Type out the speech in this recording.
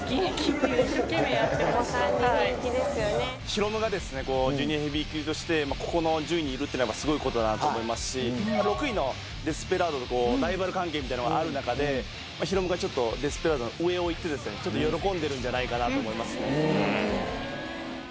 ヒロムがですねジュニアヘビー級としてここの順位にいるっていうのはすごい事だなと思いますし６位のデスペラードとこうライバル関係みたいなのがある中でヒロムがちょっとデスペラードの上をいってですねちょっと喜んでるんじゃないかなと思いますね。